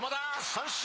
三振。